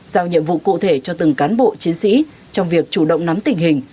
giao nhiệm vụ cụ thể cho từng cán bộ chiến sĩ trong việc chủ động nắm tình hình